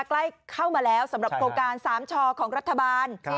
ใกล้เข้ามาแล้วสำหรับโครงการ๓ชอของรัฐบาล